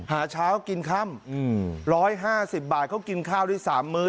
หาเช้ากินค่ำ๑๕๐บาทเขากินข้าวได้๓มื้อ